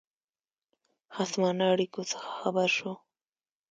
خصمانه اړېکو څخه خبر شو.